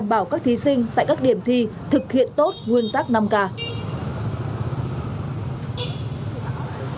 bảo các thí sinh tại các điểm thi thực hiện tốt nguyên tắc năm k